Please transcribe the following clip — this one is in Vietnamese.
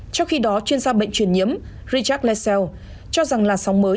trong khi đó chuyên gia bệnh truyền nhiễm richard leezel cho rằng làn sóng mới